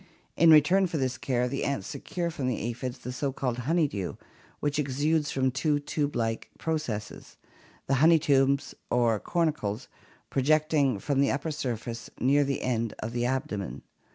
In return for this care the ants secure from the aphids the so called honey dew which exudes from two tube like processes, the honey tubes or cornicles, projecting from the upper surface near the end of the abdomen.